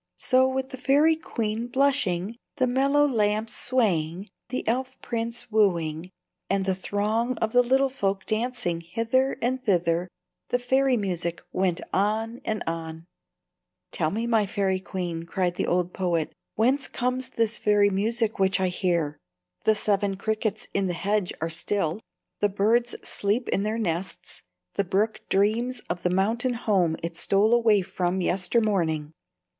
So, with the fairy queen blushing, the mellow lamps swaying, the elf prince wooing, and the throng of little folk dancing hither and thither, the fairy music went on and on: [Illustration: Musical notation] "Tell me, my fairy queen," cried the old poet, "whence comes this fairy music which I hear? The Seven Crickets in the hedge are still, the birds sleep in their nests, the brook dreams of the mountain home it stole away from yester morning.